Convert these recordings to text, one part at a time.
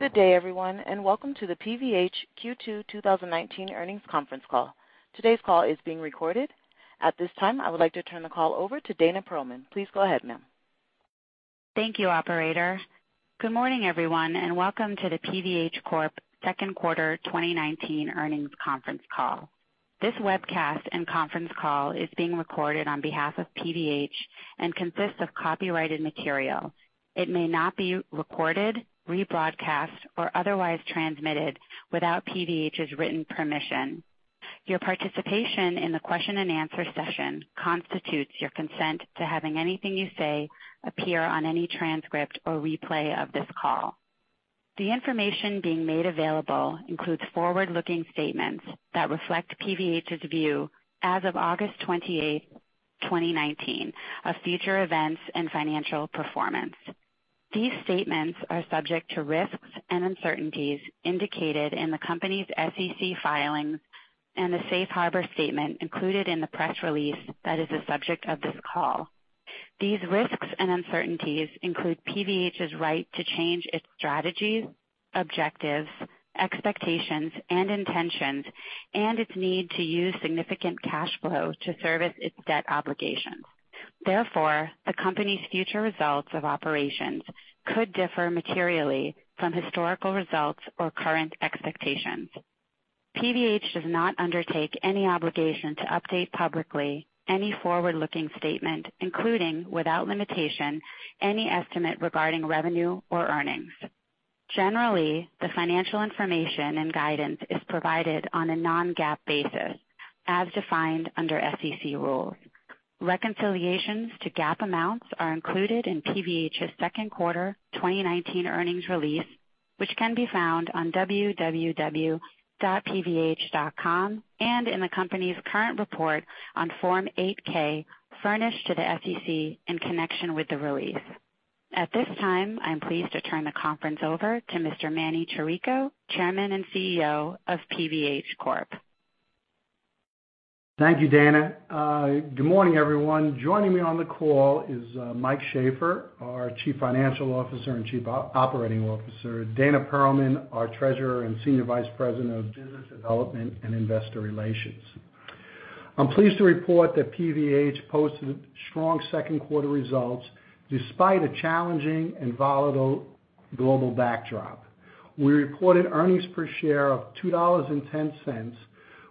Good day everyone. Welcome to the PVH Q2 2019 earnings conference call. Today's call is being recorded. At this time, I would like to turn the call over to Dana Perlman. Please go ahead, ma'am. Thank you, operator. Good morning everyone, and welcome to the PVH Corp second quarter 2019 earnings conference call. This webcast and conference call is being recorded on behalf of PVH and consists of copyrighted material. It may not be recorded, rebroadcast, or otherwise transmitted without PVH's written permission. Your participation in the question and answer session constitutes your consent to having anything you say appear on any transcript or replay of this call. The information being made available includes forward-looking statements that reflect PVH's view as of August 28th, 2019, of future events and financial performance. These statements are subject to risks and uncertainties indicated in the company's SEC filings and the safe harbor statement included in the press release that is the subject of this call. These risks and uncertainties include PVH's right to change its strategies, objectives, expectations, and intentions, and its need to use significant cash flow to service its debt obligations. Therefore, the company's future results of operations could differ materially from historical results or current expectations. PVH does not undertake any obligation to update publicly any forward-looking statement, including, without limitation, any estimate regarding revenue or earnings. Generally, the financial information and guidance is provided on a non-GAAP basis as defined under SEC rules. Reconciliations to GAAP amounts are included in PVH's second quarter 2019 earnings release, which can be found on www.pvh.com and in the company's current report on Form 8-K furnished to the SEC in connection with the release. At this time, I'm pleased to turn the conference over to Mr. Manny Chirico, Chairman and CEO of PVH Corp. Thank you, Dana. Good morning, everyone. Joining me on the call is Michael Shaffer, our Chief Financial Officer and Chief Operating Officer, Dana Perlman, our Treasurer and Senior Vice President of Business Development and Investor Relations. I'm pleased to report that PVH posted strong second quarter results despite a challenging and volatile global backdrop. We reported earnings per share of $2.10,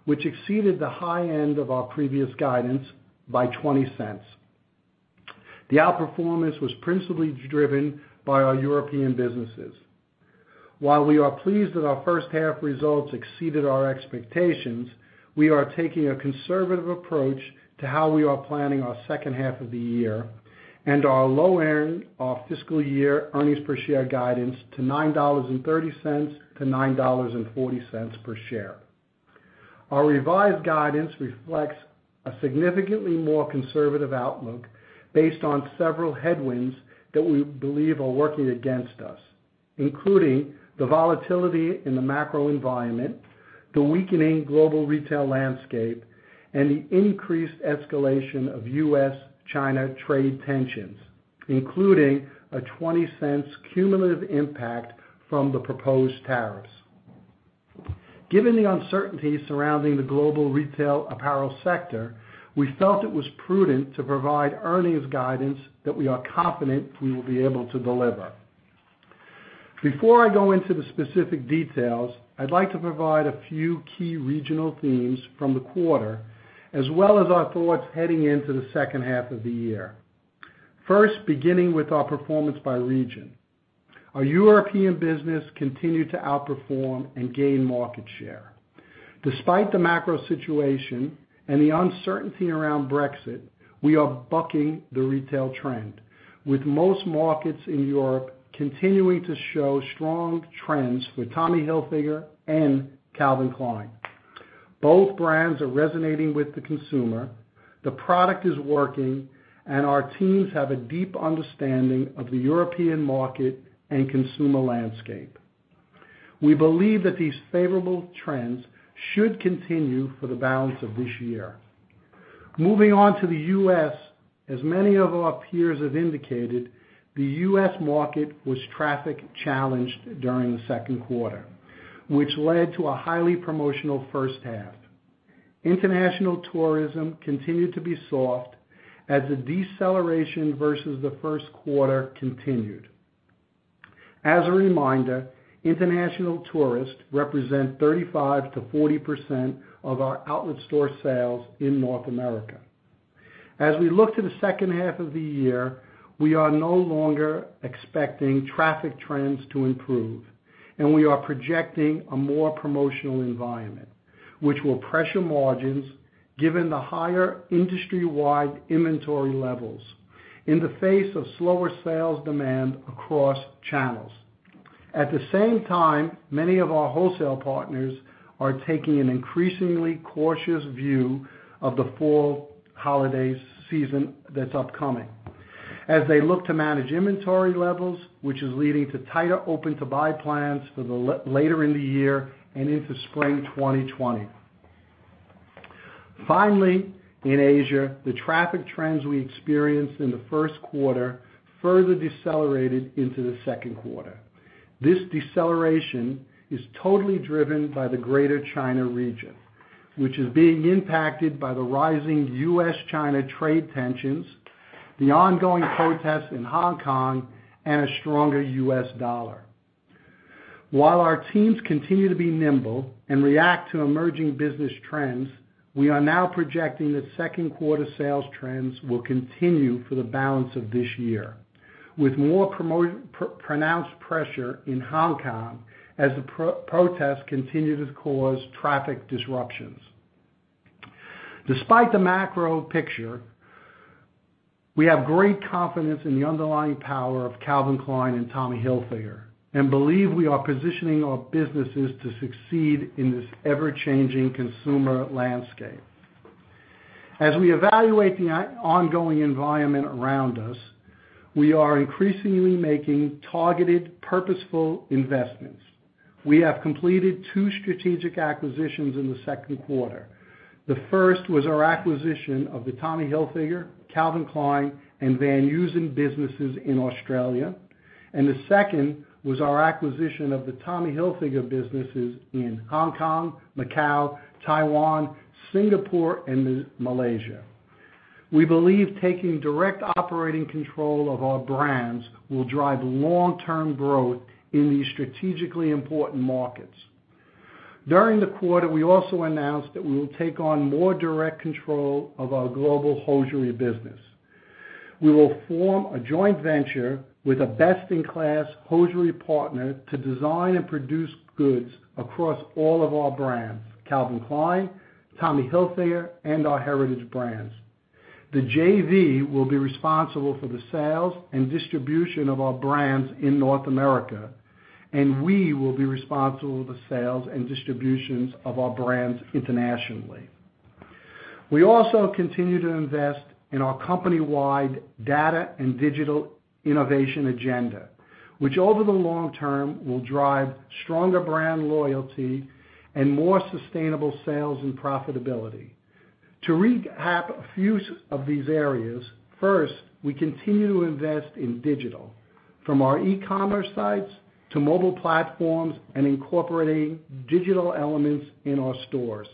which exceeded the high end of our previous guidance by $0.20. The outperformance was principally driven by our European businesses. While we are pleased that our first half results exceeded our expectations, we are taking a conservative approach to how we are planning our second half of the year and are lowering our fiscal year earnings per share guidance to $9.30-$9.40 per share. Our revised guidance reflects a significantly more conservative outlook based on several headwinds that we believe are working against us, including the volatility in the macro environment, the weakening global retail landscape, and the increased escalation of U.S.-China trade tensions, including a $0.20 cumulative impact from the proposed tariffs. Given the uncertainty surrounding the global retail apparel sector, we felt it was prudent to provide earnings guidance that we are confident we will be able to deliver. Before I go into the specific details, I'd like to provide a few key regional themes from the quarter as well as our thoughts heading into the second half of the year. First, beginning with our performance by region. Our European business continued to outperform and gain market share. Despite the macro situation and the uncertainty around Brexit, we are bucking the retail trend, with most markets in Europe continuing to show strong trends with Tommy Hilfiger and Calvin Klein. Both brands are resonating with the consumer, the product is working, and our teams have a deep understanding of the European market and consumer landscape. We believe that these favorable trends should continue for the balance of this year. Moving on to the U.S., as many of our peers have indicated, the U.S. market was traffic-challenged during the second quarter, which led to a highly promotional first half. International tourism continued to be soft as the deceleration versus the first quarter continued. As a reminder, international tourists represent 35%-40% of our outlet store sales in North America. As we look to the second half of the year, we are no longer expecting traffic trends to improve, and we are projecting a more promotional environment, which will pressure margins given the higher industry-wide inventory levels in the face of slower sales demand across channels. At the same time, many of our wholesale partners are taking an increasingly cautious view of the fall holiday season that's upcoming as they look to manage inventory levels, which is leading to tighter open-to-buy plans for later in the year and into spring 2020. Finally, in Asia, the traffic trends we experienced in the first quarter further decelerated into the second quarter. This deceleration is totally driven by the greater China region, which is being impacted by the rising US-China trade tensions, the ongoing protests in Hong Kong, and a stronger US dollar. While our teams continue to be nimble and react to emerging business trends, we are now projecting that second quarter sales trends will continue for the balance of this year, with more pronounced pressure in Hong Kong as the protests continue to cause traffic disruptions. Despite the macro picture, we have great confidence in the underlying power of Calvin Klein and Tommy Hilfiger, and believe we are positioning our businesses to succeed in this ever-changing consumer landscape. As we evaluate the ongoing environment around us, we are increasingly making targeted, purposeful investments. We have completed two strategic acquisitions in the second quarter. The first was our acquisition of the Tommy Hilfiger, Calvin Klein, and Van Heusen businesses in Australia, and the second was our acquisition of the Tommy Hilfiger businesses in Hong Kong, Macau, Taiwan, Singapore, and Malaysia. We believe taking direct operating control of our brands will drive long-term growth in these strategically important markets. During the quarter, we also announced that we will take on more direct control of our global hosiery business. We will form a joint venture with a best-in-class hosiery partner to design and produce goods across all of our brands, Calvin Klein, Tommy Hilfiger, and our heritage brands. The JV will be responsible for the sales and distribution of our brands in North America, and we will be responsible for the sales and distributions of our brands internationally. We also continue to invest in our company-wide data and digital innovation agenda, which over the long term, will drive stronger brand loyalty and more sustainable sales and profitability. To recap a few of these areas, first, we continue to invest in digital, from our e-commerce sites to mobile platforms and incorporating digital elements in our stores.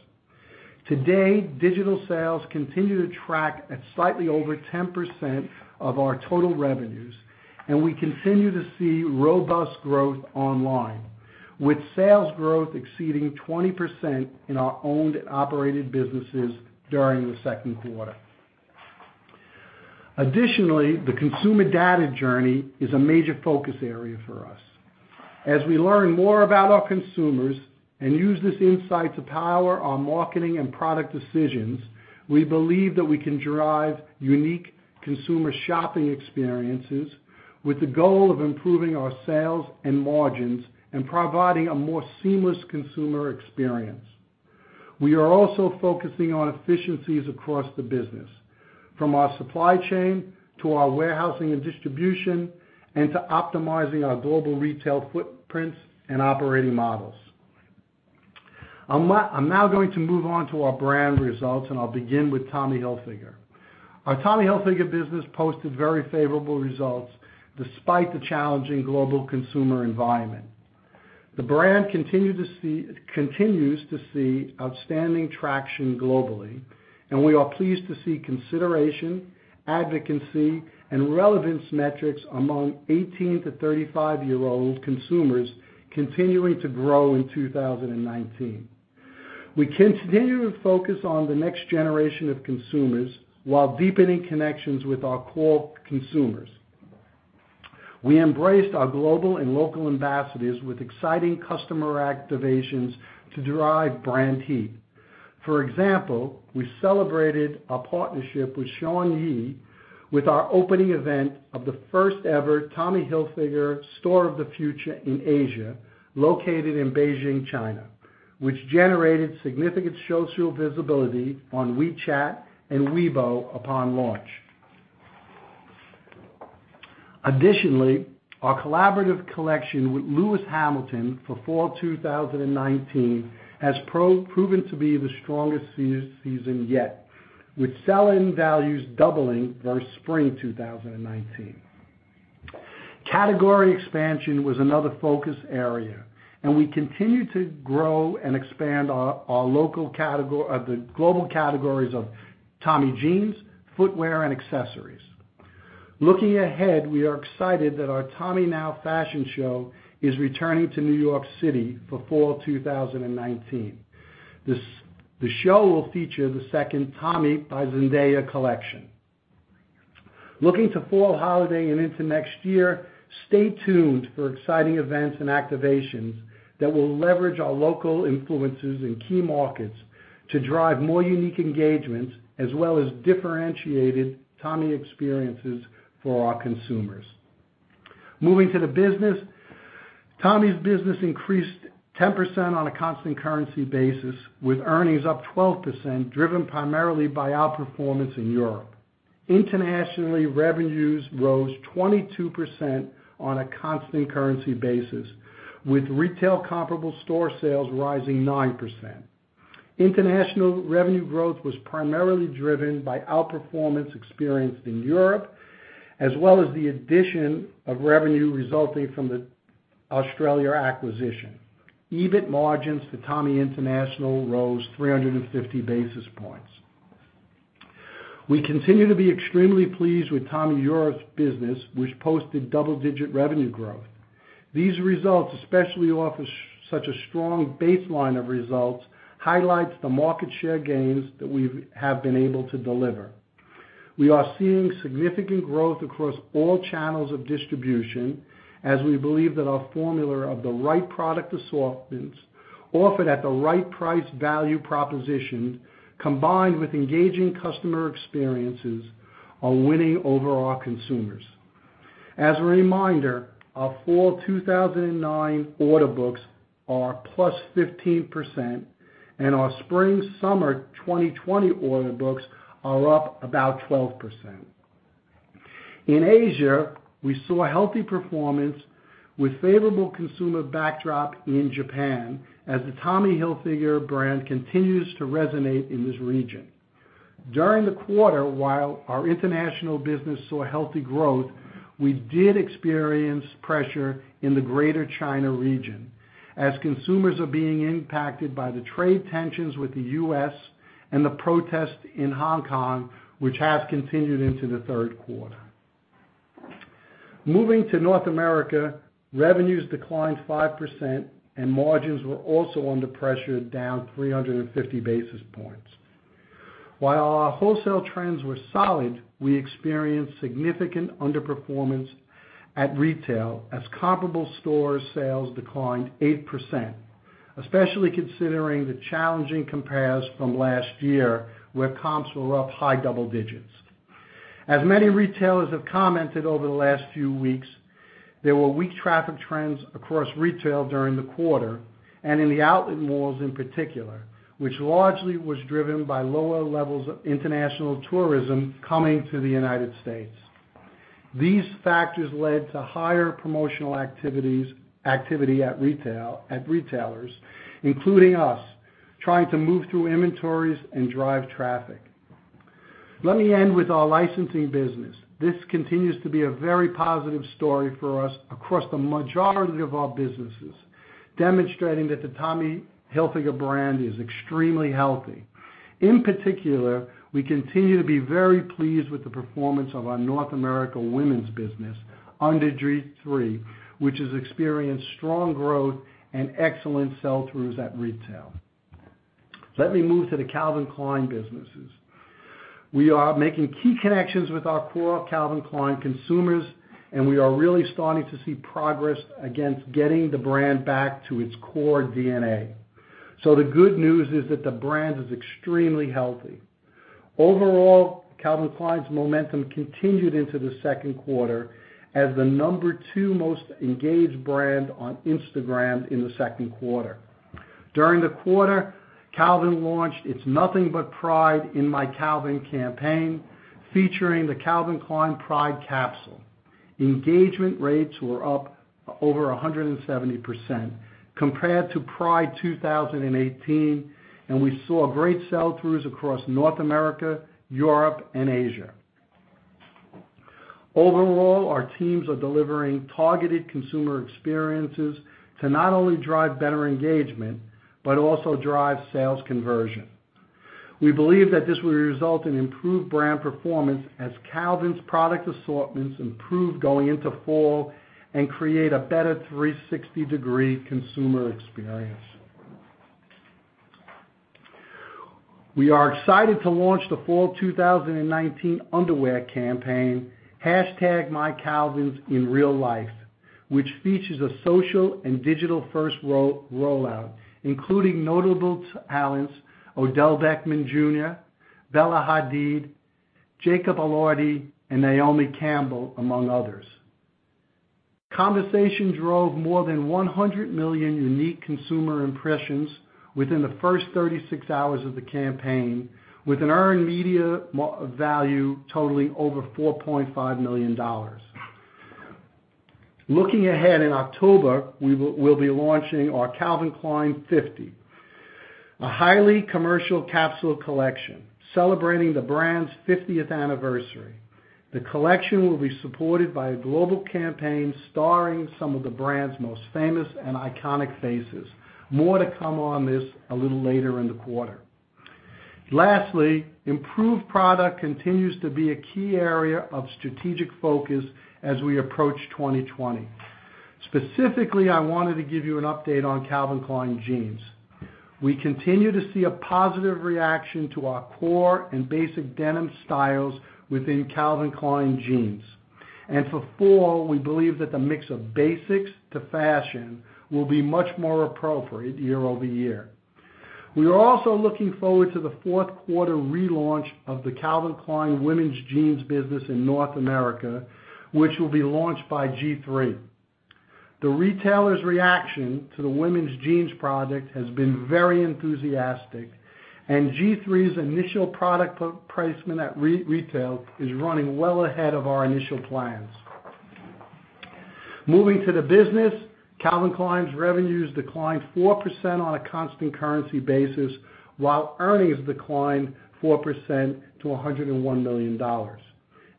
Today, digital sales continue to track at slightly over 10% of our total revenues, and we continue to see robust growth online, with sales growth exceeding 20% in our owned operated businesses during the second quarter. Additionally, the consumer data journey is a major focus area for us. As we learn more about our consumers and use this insight to power our marketing and product decisions, we believe that we can drive unique consumer shopping experiences with the goal of improving our sales and margins and providing a more seamless consumer experience. We are also focusing on efficiencies across the business, from our supply chain to our warehousing and distribution, and to optimizing our global retail footprints and operating models. I'm now going to move on to our brand results, and I'll begin with Tommy Hilfiger. Our Tommy Hilfiger business posted very favorable results despite the challenging global consumer environment. The brand continues to see outstanding traction globally, and we are pleased to see consideration, advocacy, and relevance metrics among 18 to 35-year-old consumers continuing to grow in 2019. We continue to focus on the next generation of consumers while deepening connections with our core consumers. We embraced our global and local ambassadors with exciting customer activations to drive brand heat. For example, we celebrated a partnership with Shawn Yue with our opening event of the first ever Tommy Hilfiger store of the future in Asia, located in Beijing, China, which generated significant social visibility on WeChat and Weibo upon launch. Additionally, our collaborative collection with Lewis Hamilton for fall 2019 has proven to be the strongest season yet, with sell-in values doubling versus spring 2019. Category expansion was another focus area, and we continue to grow and expand the global categories of Tommy Jeans, footwear, and accessories. Looking ahead, we are excited that our Tommy Now fashion show is returning to New York City for fall 2019. The show will feature the second Tommy by Zendaya collection. Looking to fall holiday and into next year, stay tuned for exciting events and activations that will leverage our local influencers in key markets to drive more unique engagements, as well as differentiated Tommy experiences for our consumers. Moving to the business, Tommy's business increased 10% on a constant currency basis, with earnings up 12%, driven primarily by outperformance in Europe. Internationally, revenues rose 22% on a constant currency basis, with retail comparable store sales rising 9%. International revenue growth was primarily driven by outperformance experienced in Europe, as well as the addition of revenue resulting from the Australia acquisition. EBIT margins for Tommy International rose 350 basis points. We continue to be extremely pleased with Tommy Europe's business, which posted double-digit revenue growth. These results, especially off such a strong baseline of results, highlights the market share gains that we have been able to deliver. We are seeing significant growth across all channels of distribution, as we believe that our formula of the right product assortments offered at the right price value proposition, combined with engaging customer experiences, are winning over our consumers. As a reminder, our fall 2019 order books are +15%, our spring summer 2020 order books are up about 12%. In Asia, we saw a healthy performance with favorable consumer backdrop in Japan as the Tommy Hilfiger brand continues to resonate in this region. During the quarter, while our international business saw healthy growth, we did experience pressure in the Greater China region as consumers are being impacted by the trade tensions with the U.S. and the protests in Hong Kong, which have continued into the third quarter. Moving to North America, revenues declined 5% and margins were also under pressure, down 350 basis points. While our wholesale trends were solid, we experienced significant underperformance at retail as comparable store sales declined 8%, especially considering the challenging compares from last year, where comps were up high double digits. As many retailers have commented over the last few weeks, there were weak traffic trends across retail during the quarter, and in the outlet malls in particular, which largely was driven by lower levels of international tourism coming to the U.S. These factors led to higher promotional activity at retailers, including us, trying to move through inventories and drive traffic. Let me end with our licensing business. This continues to be a very positive story for us across the majority of our businesses, demonstrating that the Tommy Hilfiger brand is extremely healthy. In particular, we continue to be very pleased with the performance of our North America women's business, under G-III, which has experienced strong growth and excellent sell-throughs at retail. Let me move to the Calvin Klein businesses. We are making key connections with our core Calvin Klein consumers, and we are really starting to see progress against getting the brand back to its core DNA. The good news is that the brand is extremely healthy. Overall, Calvin Klein's momentum continued into the second quarter as the number two most engaged brand on Instagram in the second quarter. During the quarter, Calvin launched its Nothing but Pride in My Calvin campaign, featuring the Calvin Klein Pride Capsule. Engagement rates were up over 170% compared to Pride 2018, and we saw great sell-throughs across North America, Europe, and Asia. Overall, our teams are delivering targeted consumer experiences to not only drive better engagement, but also drive sales conversion. We believe that this will result in improved brand performance as Calvin's product assortments improve going into fall and create a better 360-degree consumer experience. We are excited to launch the fall 2019 underwear campaign, #MyCalvinsInRealLife, which features a social and digital-first rollout, including notable talents Odell Beckham Jr., Bella Hadid, Jacob Elordi, and Naomi Campbell, among others. Conversations drove more than 100 million unique consumer impressions within the first 36 hours of the campaign, with an earned media value totaling over $4.5 million. Looking ahead, in October, we'll be launching our Calvin Klein 50, a highly commercial capsule collection celebrating the brand's 50th anniversary. The collection will be supported by a global campaign starring some of the brand's most famous and iconic faces. More to come on this a little later in the quarter. Lastly, improved product continues to be a key area of strategic focus as we approach 2020. Specifically, I wanted to give you an update on Calvin Klein Jeans. We continue to see a positive reaction to our core and basic denim styles within Calvin Klein Jeans. For fall, we believe that the mix of basics to fashion will be much more appropriate year-over-year. We are also looking forward to the fourth quarter relaunch of the Calvin Klein women's jeans business in North America, which will be launched by G3. The retailer's reaction to the women's jeans product has been very enthusiastic, and G3's initial product placement at retail is running well ahead of our initial plans. Moving to the business, Calvin Klein's revenues declined 4% on a constant currency basis, while earnings declined 4% to $101 million.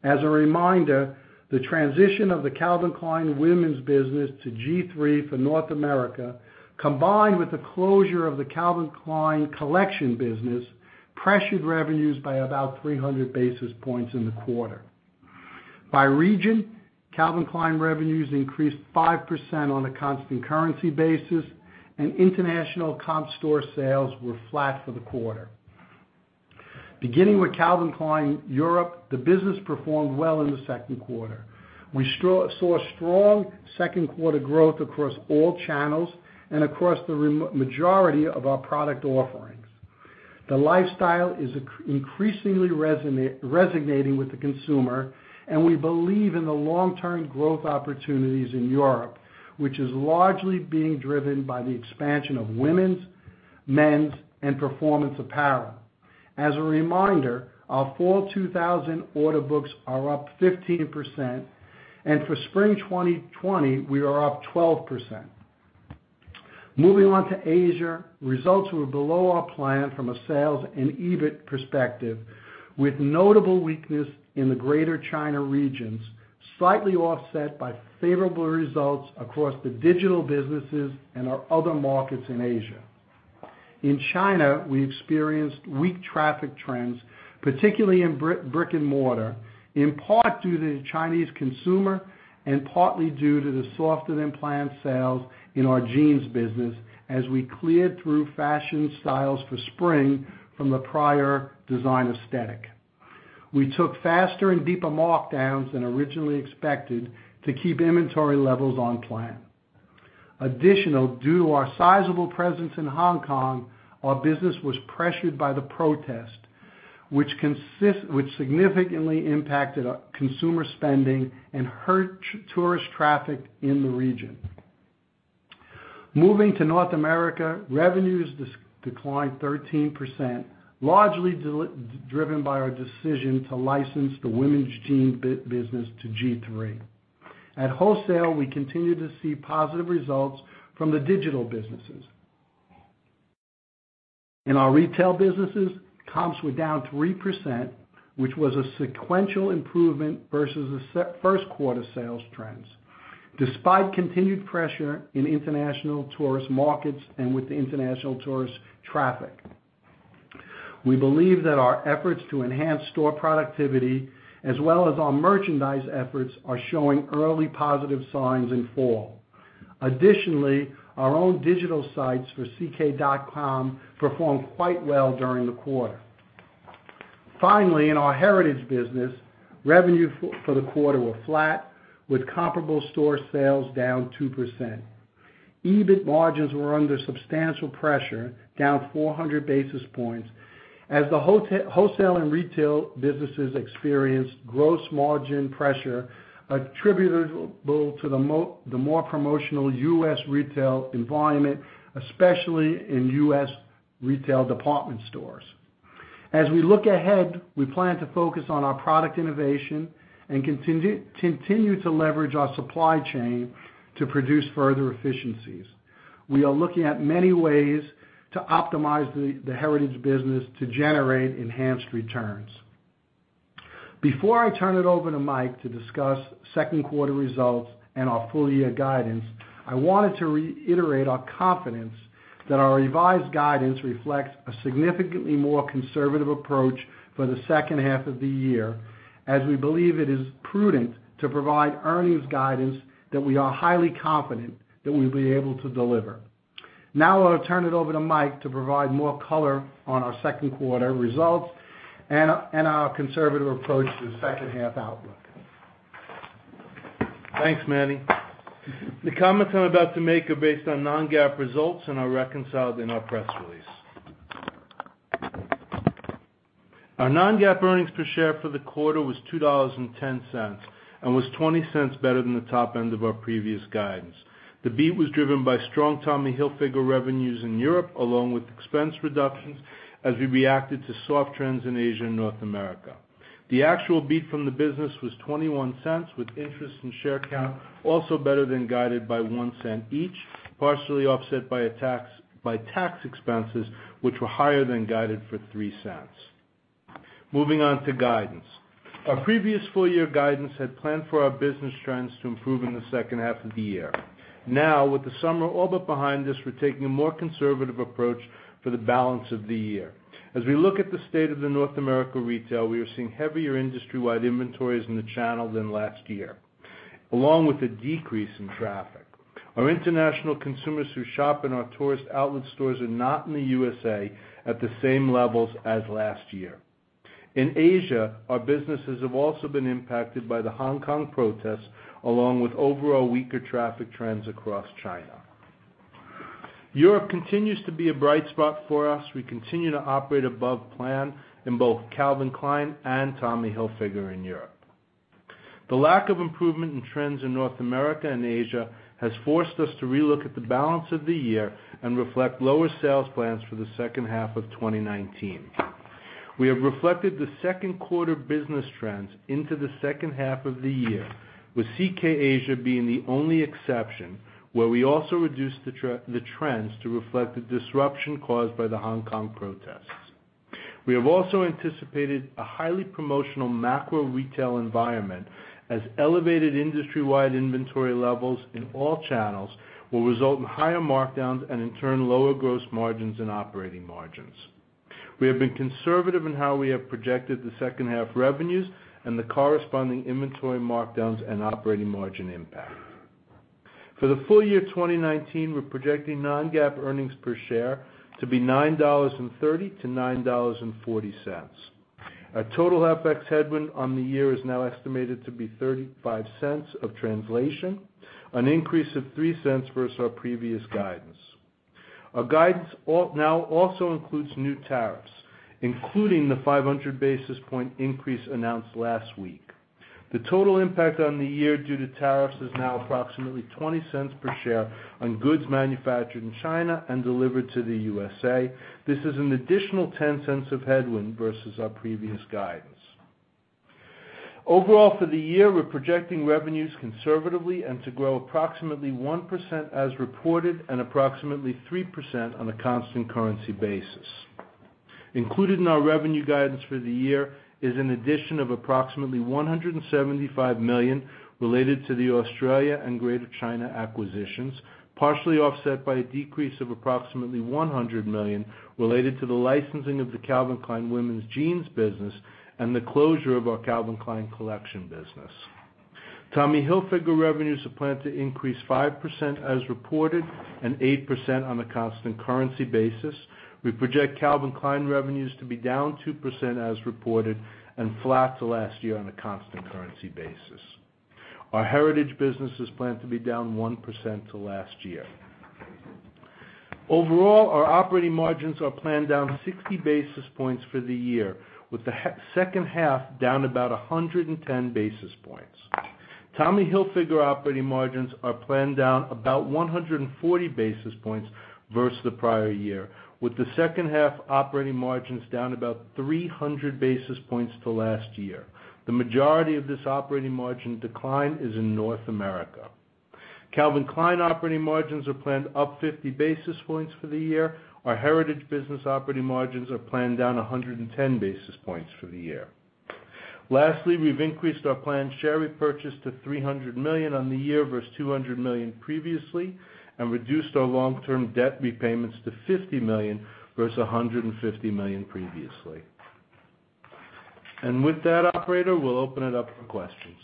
As a reminder, the transition of the Calvin Klein women's business to G3 for North America, combined with the closure of the Calvin Klein Collection business, pressured revenues by about 300 basis points in the quarter. By region, Calvin Klein revenues increased 5% on a constant currency basis, and international comp store sales were flat for the quarter. Beginning with Calvin Klein Europe, the business performed well in the second quarter. We saw strong second quarter growth across all channels and across the majority of our product offerings. The lifestyle is increasingly resonating with the consumer, and we believe in the long-term growth opportunities in Europe, which is largely being driven by the expansion of women's, men's, and performance apparel. As a reminder, our fall 2019 order books are up 15%, and for spring 2020, we are up 12%. Moving on to Asia, results were below our plan from a sales and EBIT perspective, with notable weakness in the greater China regions, slightly offset by favorable results across the digital businesses and our other markets in Asia. In China, we experienced weak traffic trends, particularly in brick-and-mortar, in part due to the Chinese consumer and partly due to the softer-than-planned sales in our jeans business as we cleared through fashion styles for spring from the prior design aesthetic. We took faster and deeper markdowns than originally expected to keep inventory levels on plan. Additional, due to our sizable presence in Hong Kong, our business was pressured by the protest, which significantly impacted consumer spending and hurt tourist traffic in the region. Moving to North America, revenues declined 13%, largely driven by our decision to license the women's jean business to G-III. At wholesale, we continued to see positive results from the digital businesses. In our retail businesses, comps were down 3%, which was a sequential improvement versus the first quarter sales trends, despite continued pressure in international tourist markets and with the international tourist traffic. We believe that our efforts to enhance store productivity, as well as our merchandise efforts, are showing early positive signs in fall. Additionally, our own digital sites for ck.com performed quite well during the quarter. Finally, in our heritage business, revenue for the quarter was flat, with comparable store sales down 2%. EBIT margins were under substantial pressure, down 400 basis points as the wholesale and retail businesses experienced gross margin pressure attributable to the more promotional US retail environment, especially in US retail department stores. As we look ahead, we plan to focus on our product innovation and continue to leverage our supply chain to produce further efficiencies. We are looking at many ways to optimize the heritage business to generate enhanced returns. Before I turn it over to Mike to discuss second quarter results and our full-year guidance, I wanted to reiterate our confidence that our revised guidance reflects a significantly more conservative approach for the second half of the year, as we believe it is prudent to provide earnings guidance that we are highly confident that we'll be able to deliver. I'll turn it over to Mike to provide more color on our second quarter results and our conservative approach to the second half outlook. Thanks, Manny. The comments I'm about to make are based on non-GAAP results and are reconciled in our press release. Our non-GAAP earnings per share for the quarter was $2.10, and was $0.20 better than the top end of our previous guidance. The beat was driven by strong Tommy Hilfiger revenues in Europe, along with expense reductions as we reacted to soft trends in Asia and North America. The actual beat from the business was $0.21, with interest in share count also better than guided by $0.01 each, partially offset by tax expenses, which were higher than guided for $0.03. Moving on to guidance. Our previous full year guidance had planned for our business trends to improve in the second half of the year. Now, with the summer all but behind us, we're taking a more conservative approach for the balance of the year. As we look at the state of the North America retail, we are seeing heavier industry-wide inventories in the channel than last year, along with a decrease in traffic. Our international consumers who shop in our tourist outlet stores are not in the U.S.A. at the same levels as last year. In Asia, our businesses have also been impacted by the Hong Kong protests, along with overall weaker traffic trends across China. Europe continues to be a bright spot for us. We continue to operate above plan in both Calvin Klein and Tommy Hilfiger in Europe. The lack of improvement in trends in North America and Asia has forced us to relook at the balance of the year and reflect lower sales plans for the second half of 2019. We have reflected the second quarter business trends into the second half of the year, with CK Asia being the only exception, where we also reduced the trends to reflect the disruption caused by the Hong Kong protests. We have also anticipated a highly promotional macro retail environment, as elevated industry-wide inventory levels in all channels will result in higher markdowns and in turn, lower gross margins and operating margins. We have been conservative in how we have projected the second half revenues and the corresponding inventory markdowns and operating margin impact. For the full year 2019, we're projecting non-GAAP earnings per share to be $9.30 to $9.40. Our total FX headwind on the year is now estimated to be $0.35 of translation, an increase of $0.03 versus our previous guidance. Our guidance now also includes new tariffs, including the 500 basis point increase announced last week. The total impact on the year due to tariffs is now approximately $0.20 per share on goods manufactured in China and delivered to the USA. This is an additional $0.10 of headwind versus our previous guidance. Overall, for the year, we're projecting revenues conservatively and to grow approximately 1% as reported and approximately 3% on a constant currency basis. Included in our revenue guidance for the year is an addition of approximately $175 million related to the Australia and Greater China acquisitions, partially offset by a decrease of approximately $100 million related to the licensing of the Calvin Klein women's jeans business and the closure of our Calvin Klein Collection business. Tommy Hilfiger revenues are planned to increase 5% as reported and 8% on a constant currency basis. We project Calvin Klein revenues to be down 2% as reported and flat to last year on a constant currency basis. Our heritage business is planned to be down 1% to last year. Overall, our operating margins are planned down 60 basis points for the year, with the second half down about 110 basis points. Tommy Hilfiger operating margins are planned down about 140 basis points versus the prior year, with the second half operating margins down about 300 basis points to last year. The majority of this operating margin decline is in North America. Calvin Klein operating margins are planned up 50 basis points for the year. Our heritage business operating margins are planned down 110 basis points for the year. Lastly, we've increased our planned share repurchase to $300 million on the year versus $200 million previously and reduced our long-term debt repayments to $50 million versus $150 million previously. With that operator, we'll open it up for questions.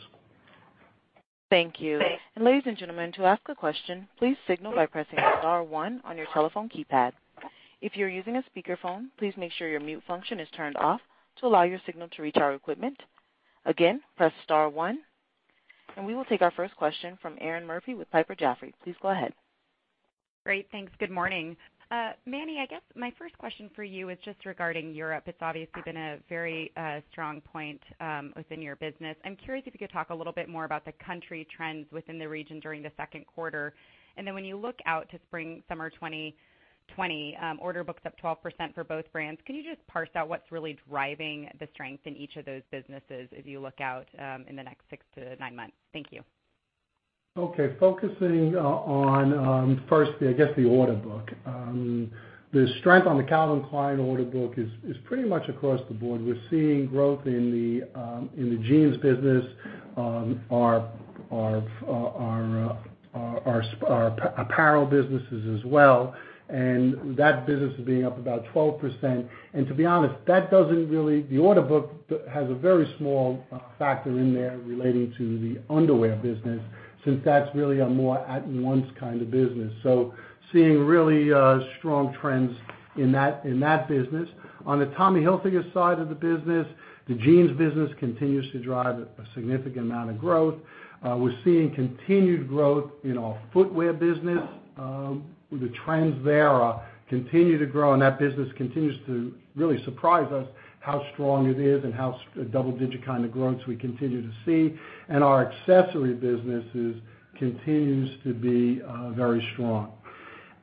Thank you. Ladies and gentlemen, to ask a question, please signal by pressing star one on your telephone keypad. If you're using a speakerphone, please make sure your mute function is turned off to allow your signal to reach our equipment. Again, press star one. We will take our first question from Erinn Murphy with Piper Jaffray. Please go ahead. Great. Thanks. Good morning. Manny, I guess my first question for you is just regarding Europe. It's obviously been a very strong point within your business. I'm curious if you could talk a little bit more about the country trends within the region during the second quarter. When you look out to spring, summer 2020, order book's up 12% for both brands. Can you just parse out what's really driving the strength in each of those businesses as you look out in the next six to nine months? Thank you. Okay. Focusing on firstly, I guess, the order book. The strength on the Calvin Klein order book is pretty much across the board. We're seeing growth in the jeans business, our apparel businesses as well, and that business being up about 12%. To be honest, the order book has a very small factor in there relating to the underwear business, since that's really a more at-once kind of business, seeing really strong trends in that business. On the Tommy Hilfiger side of the business, the jeans business continues to drive a significant amount of growth. We're seeing continued growth in our footwear business. The Transvera continue to grow, and that business continues to really surprise us how strong it is and how double digit kind of growths we continue to see. Our accessory business continues to be very strong.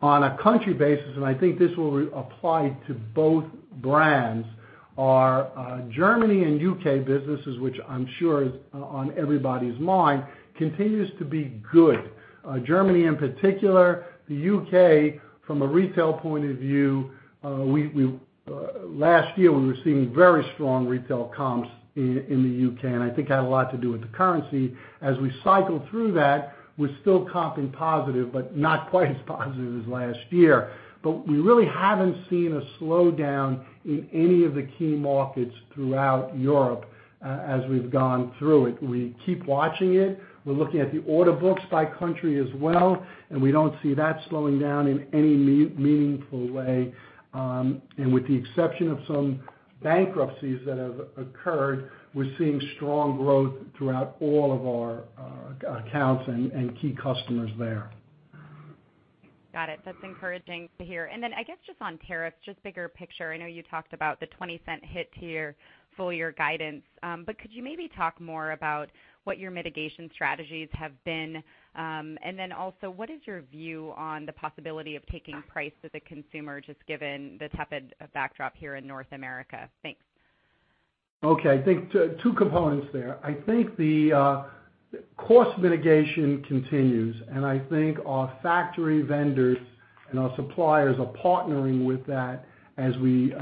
On a country basis, I think this will apply to both brands, our Germany and U.K. businesses, which I'm sure is on everybody's mind, continues to be good. Germany in particular, the U.K. from a retail point of view, last year, we were seeing very strong retail comps in the U.K., I think it had a lot to do with the currency. As we cycle through that, we're still comping positive, not quite as positive as last year. We really haven't seen a slowdown in any of the key markets throughout Europe as we've gone through it. We keep watching it. We're looking at the order books by country as well, we don't see that slowing down in any meaningful way. With the exception of some bankruptcies that have occurred, we're seeing strong growth throughout all of our accounts and key customers there. Got it. That's encouraging to hear. Then I guess just on tariffs, just bigger picture, I know you talked about the $0.20 hit to your full-year guidance. But could you maybe talk more about what your mitigation strategies have been? And then also, what is your view on the possibility of taking price to the consumer, just given the tepid backdrop here in North America? Thanks. Okay. I think two components there. I think the cost mitigation continues, and I think our factory vendors and our suppliers are partnering with that as we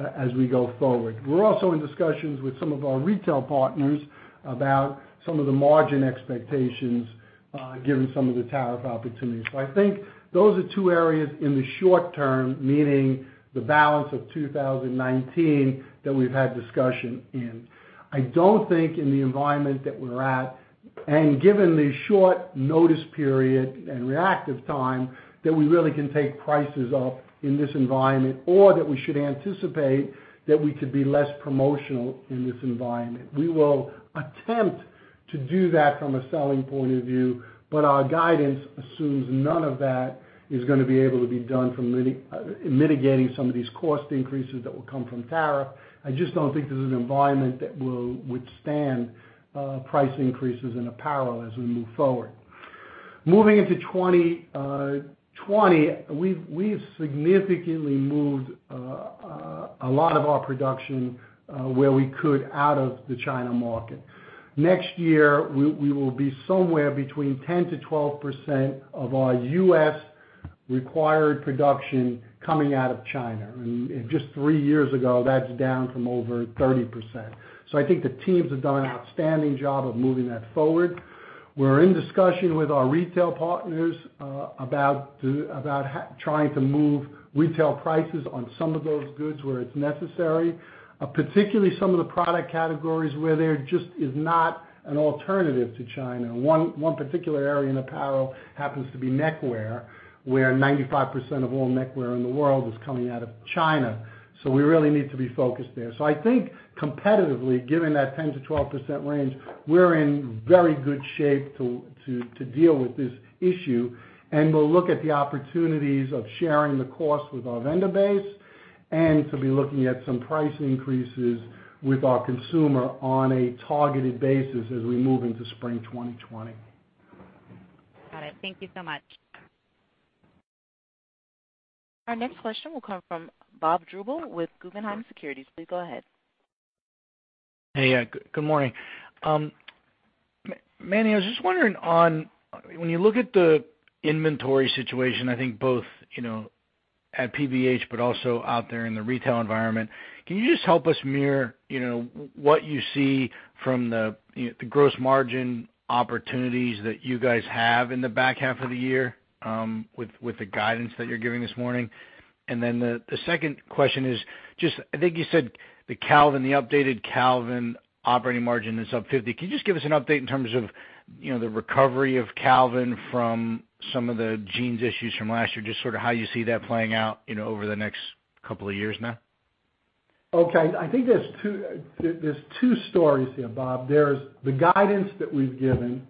go forward. We're also in discussions with some of our retail partners about some of the margin expectations, given some of the tariff opportunities. I think those are two areas in the short term, meaning the balance of 2019, that we've had discussion in. I don't think in the environment that we're at, and given the short notice period and reactive time, that we really can take prices up in this environment or that we should anticipate that we could be less promotional in this environment. We will attempt to do that from a selling point of view, but our guidance assumes none of that is going to be able to be done from mitigating some of these cost increases that will come from tariff. I just don't think this is an environment that will withstand price increases in apparel as we move forward. Moving into 2020, we've significantly moved a lot of our production where we could out of the China market. Next year, we will be somewhere between 10%-12% of our U.S. required production coming out of China. Just three years ago, that's down from over 30%. I think the teams have done an outstanding job of moving that forward. We're in discussion with our retail partners about trying to move retail prices on some of those goods where it's necessary. Particularly some of the product categories where there just is not an alternative to China. One particular area in apparel happens to be neckwear, where 95% of all neckwear in the world is coming out of China. We really need to be focused there. I think competitively, given that 10%-12% range, we're in very good shape to deal with this issue. We'll look at the opportunities of sharing the cost with our vendor base and to be looking at some price increases with our consumer on a targeted basis as we move into spring 2020. Got it. Thank you so much. Our next question will come from Bob Drbul with Guggenheim Securities. Please go ahead. Hey. Good morning. Manny, I was just wondering on when you look at the inventory situation, I think both at PVH, but also out there in the retail environment, can you just help us mirror what you see from the gross margin opportunities that you guys have in the back half of the year, with the guidance that you're giving this morning? The second question is just, I think you said the updated Calvin operating margin is up 50. Can you just give us an update in terms of the recovery of Calvin from some of the jeans issues from last year, just sort of how you see that playing out over the next couple of years now? Okay. I think there's two stories here, Bob. There's the guidance that we've given,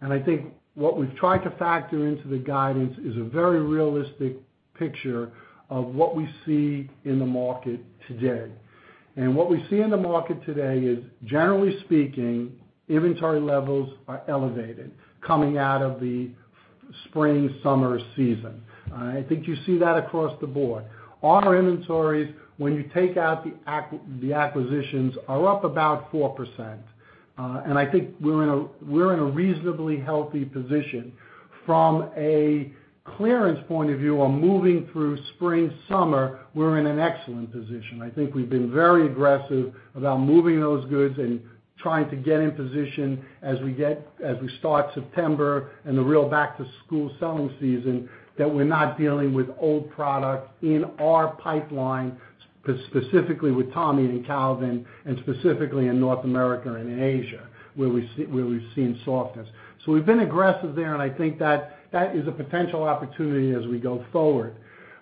and I think what we've tried to factor into the guidance is a very realistic picture of what we see in the market today. What we see in the market today is, generally speaking, inventory levels are elevated coming out of the spring, summer season. I think you see that across the board. On our inventories, when you take out the acquisitions, are up about 4%, and I think we're in a reasonably healthy position. From a clearance point of view on moving through spring, summer, we're in an excellent position. I think we've been very aggressive about moving those goods and trying to get in position as we start September and the real back-to-school selling season, that we're not dealing with old product in our pipeline, specifically with Tommy and Calvin, and specifically in North America and in Asia, where we've seen softness. We've been aggressive there, and I think that is a potential opportunity as we go forward.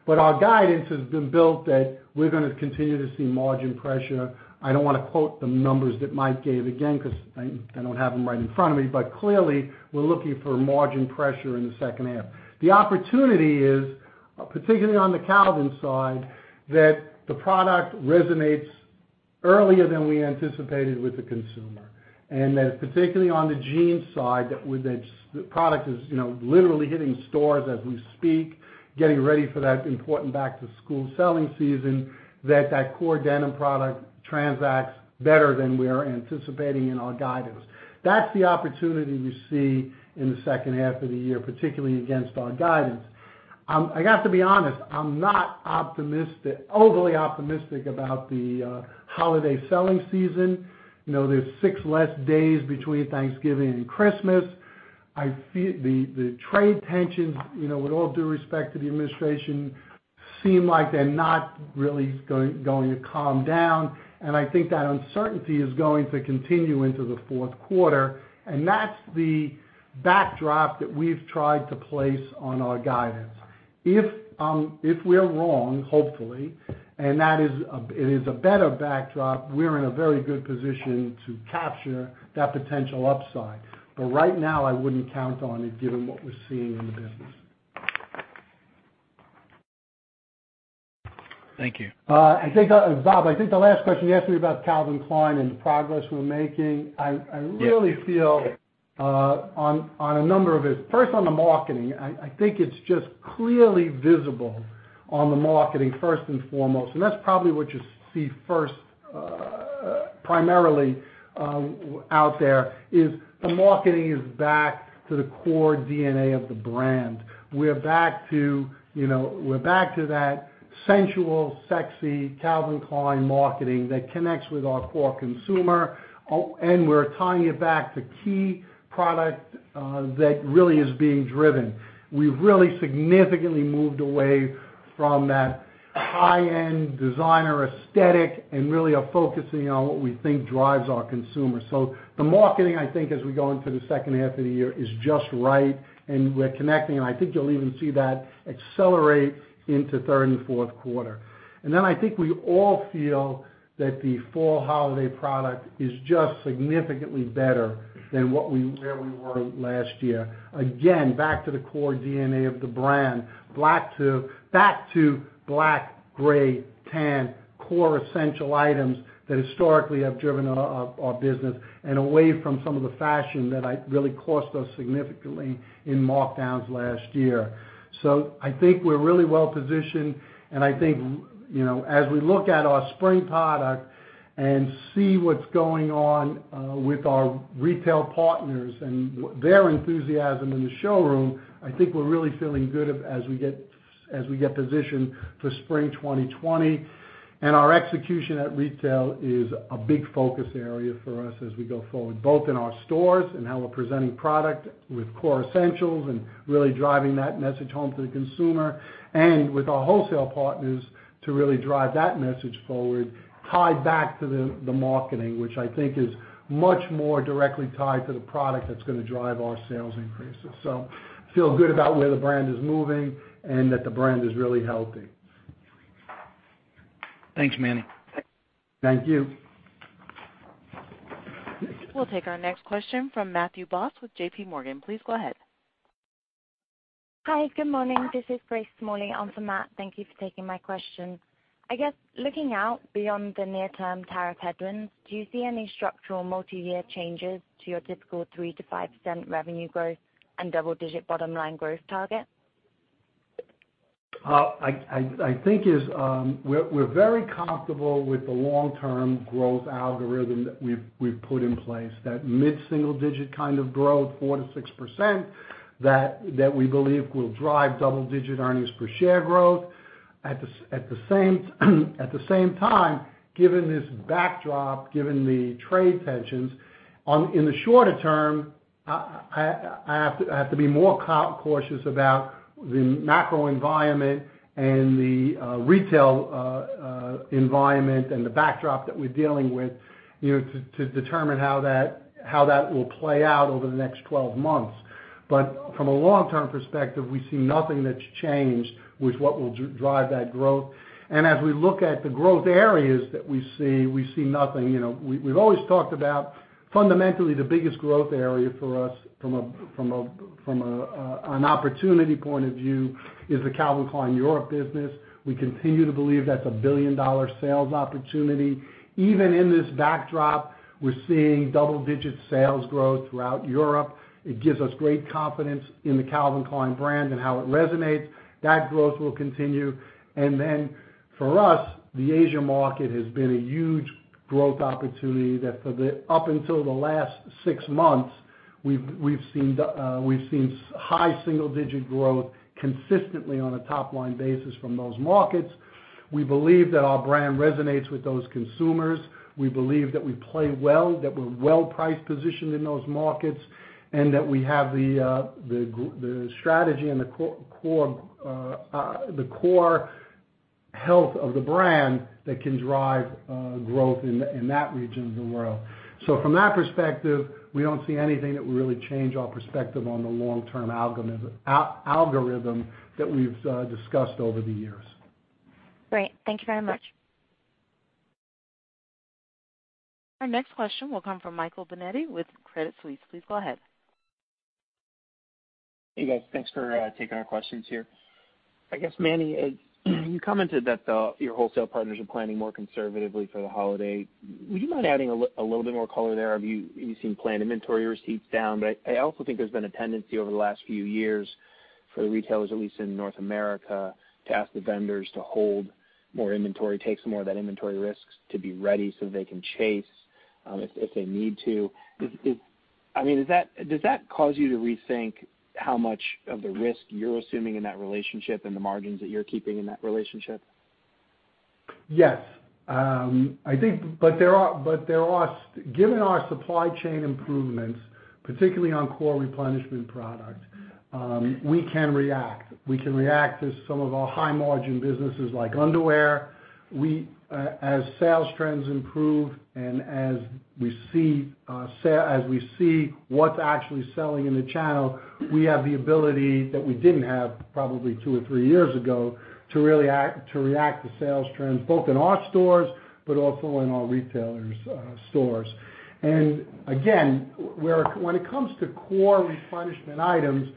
Our guidance has been built that we're going to continue to see margin pressure. I don't want to quote the numbers that Mike gave again, because I don't have them right in front of me. Clearly, we're looking for margin pressure in the second half. The opportunity is, particularly on the Calvin side, that the product resonates earlier than we anticipated with the consumer. That particularly on the jeans side, that the product is literally hitting stores as we speak, getting ready for that important back-to-school selling season, that core denim product transacts better than we are anticipating in our guidance. That's the opportunity you see in the second half of the year, particularly against our guidance. I got to be honest, I'm not overly optimistic about the holiday selling season. There's six less days between Thanksgiving and Christmas. The trade tensions, with all due respect to the administration, seem like they're not really going to calm down. I think that uncertainty is going to continue into the fourth quarter, and that's the backdrop that we've tried to place on our guidance. If we're wrong, hopefully, and it is a better backdrop, we're in a very good position to capture that potential upside. Right now, I wouldn't count on it given what we're seeing in the business. Thank you. Bob, I think the last question you asked me about Calvin Klein and the progress we're making. I really feel on a number of it. First, on the marketing, I think it's just clearly visible on the marketing first and foremost. That's probably what you see first, primarily, out there is the marketing is back to the core DNA of the brand. We're back to that sensual, sexy Calvin Klein marketing that connects with our core consumer, and we're tying it back to key product that really is being driven. We've really significantly moved away from that high-end designer aesthetic and really are focusing on what we think drives our consumer. The marketing, I think, as we go into the second half of the year, is just right, and we're connecting, and I think you'll even see that accelerate into third and fourth quarter. I think we all feel that the fall holiday product is just significantly better than where we were last year. Again, back to the core DNA of the brand. Back to black, gray, tan, core essential items that historically have driven our business and away from some of the fashion that really cost us significantly in markdowns last year. I think we're really well-positioned, and I think as we look at our spring product and see what's going on with our retail partners and their enthusiasm in the showroom, I think we're really feeling good as we get positioned for spring 2020. Our execution at retail is a big focus area for us as we go forward, both in our stores and how we're presenting product with core essentials and really driving that message home to the consumer and with our wholesale partners to really drive that message forward, tied back to the marketing, which I think is much more directly tied to the product that's going to drive our sales increases. Feel good about where the brand is moving and that the brand is really healthy. Thanks, Manny. Thank you. We'll take our next question from Matthew Boss with JPMorgan. Please go ahead. Hi, good morning. This is Grace Morley on for Matthew Boss. Thank you for taking my question. I guess looking out beyond the near-term tariff headwinds, do you see any structural multi-year changes to your typical 3%-5% revenue growth and double-digit bottom-line growth target? We're very comfortable with the long-term growth algorithm that we've put in place. That mid-single digit kind of growth, 4%-6%, that we believe will drive double-digit earnings per share growth. At the same time, given this backdrop, given the trade tensions, in the shorter term, I have to be more cautious about the macro environment and the retail environment and the backdrop that we're dealing with to determine how that will play out over the next 12 months. From a long-term perspective, we see nothing that's changed with what will drive that growth. As we look at the growth areas that we see, we see nothing. We've always talked about fundamentally the biggest growth area for us from an opportunity point of view is the Calvin Klein Europe business. We continue to believe that's a billion-dollar sales opportunity. Even in this backdrop, we're seeing double-digit sales growth throughout Europe. It gives us great confidence in the Calvin Klein brand and how it resonates. That growth will continue. For us, the Asia market has been a huge growth opportunity that for up until the last 6 months, we've seen high single digit growth consistently on a top-line basis from those markets. We believe that our brand resonates with those consumers. We believe that we play well, that we're well price-positioned in those markets, and that we have the strategy and the core health of the brand that can drive growth in that region of the world. From that perspective, we don't see anything that would really change our perspective on the long-term algorithm that we've discussed over the years. Great. Thank you very much. Our next question will come from Michael Binetti with Credit Suisse. Please go ahead. Hey, guys. Thanks for taking our questions here. I guess, Manny, you commented that your wholesale partners are planning more conservatively for the holiday. Would you mind adding a little bit more color there? You've seen planned inventory receipts down, I also think there's been a tendency over the last few years for the retailers, at least in North America, to ask the vendors to hold more inventory, take some more of that inventory risks to be ready so they can chase if they need to. Does that cause you to rethink how much of the risk you're assuming in that relationship and the margins that you're keeping in that relationship? Yes. Given our supply chain improvements, particularly on core replenishment product, we can react. We can react to some of our high margin businesses like underwear. As sales trends improve and as we see what's actually selling in the channel, we have the ability that we didn't have probably two or three years ago to react to sales trends, both in our stores but also in our retailers' stores. Again, when it comes to core replenishment items,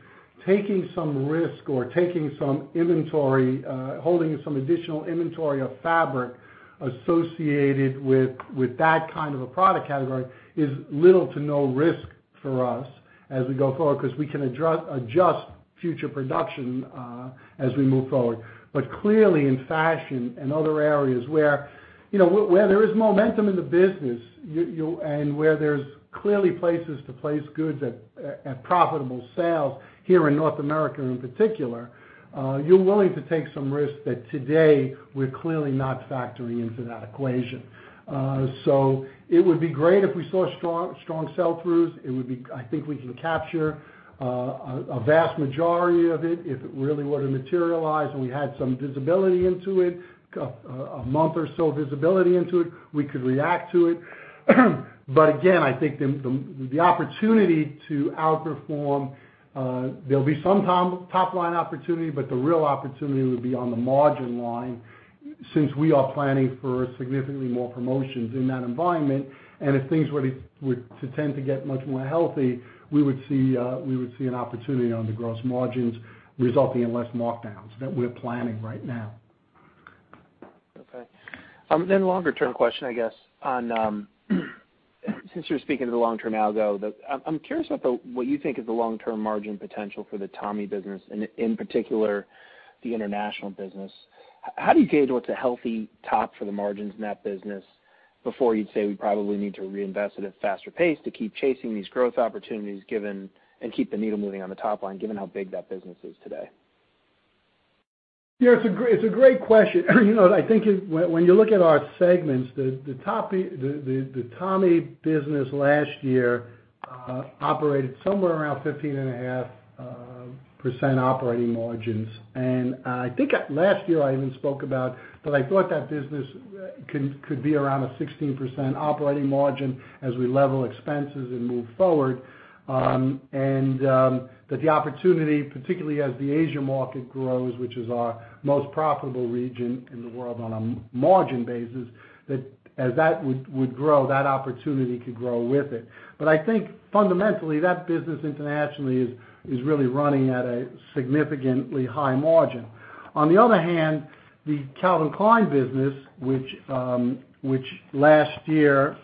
taking some risk or taking some inventory, holding some additional inventory of fabric associated with that kind of a product category is little to no risk for us as we go forward, because we can adjust future production as we move forward. Clearly in fashion and other areas where there is momentum in the business, and where there's clearly places to place goods at profitable sales here in North America in particular, you're willing to take some risks that today we're clearly not factoring into that equation. It would be great if we saw strong sell-throughs. I think we can capture a vast majority of it if it really were to materialize, and we had some visibility into it, a month or so visibility into it, we could react to it. Again, I think the opportunity to outperform, there'll be some top-line opportunity, but the real opportunity would be on the margin line since we are planning for significantly more promotions in that environment. If things were to tend to get much more healthy, we would see an opportunity on the gross margins resulting in less markdowns than we're planning right now. Okay. A longer-term question, I guess. Since you're speaking to the long term now, though, I'm curious about what you think is the long-term margin potential for the Tommy business and in particular, the international business. How do you gauge what's a healthy top for the margins in that business before you'd say we probably need to reinvest at a faster pace to keep chasing these growth opportunities, and keep the needle moving on the top line, given how big that business is today? Yeah, it's a great question. I think when you look at our segments, the Tommy business last year operated somewhere around 15.5% operating margins. I think last year I even spoke about, but I thought that business could be around a 16% operating margin as we level expenses and move forward. That the opportunity, particularly as the Asia market grows, which is our most profitable region in the world on a margin basis, that as that would grow, that opportunity could grow with it. I think fundamentally, that business internationally is really running at a significantly high margin. On the other hand, the Calvin Klein business, which last year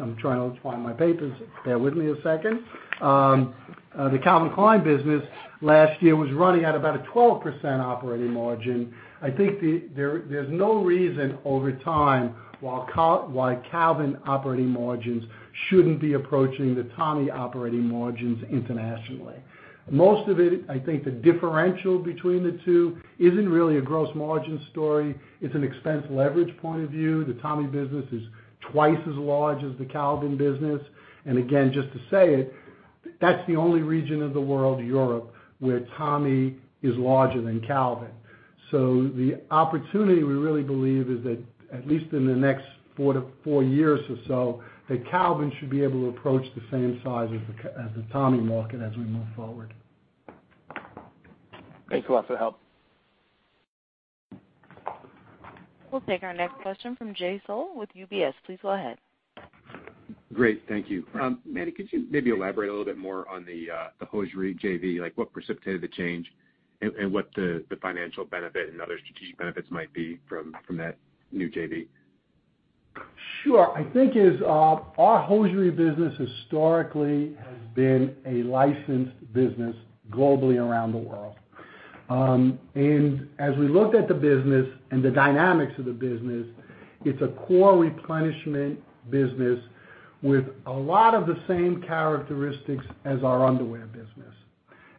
I'm trying to find my papers. Bear with me a second. The Calvin Klein business last year was running at about a 12% operating margin. I think there's no reason over time, why Calvin operating margins shouldn't be approaching the Tommy operating margins internationally. Most of it, I think the differential between the two isn't really a gross margin story. It's an expense leverage point of view. The Tommy business is twice as large as the Calvin business. Again, just to say it, that's the only region of the world, Europe, where Tommy is larger than Calvin. The opportunity we really believe is that at least in the next four years or so, that Calvin should be able to approach the same size as the Tommy market as we move forward. Thanks a lot for the help. We'll take our next question from Jay Sole with UBS. Please go ahead. Great. Thank you. Manny, could you maybe elaborate a little bit more on the hosiery JV? What precipitated the change and what the financial benefit and other strategic benefits might be from that new JV? Sure. I think our hosiery business historically has been a licensed business globally around the world. As we looked at the business and the dynamics of the business, it's a core replenishment business with a lot of the same characteristics as our underwear business.